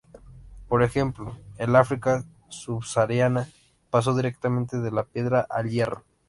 Por ejemplo, el África subsahariana pasó directamente de la piedra al hierro.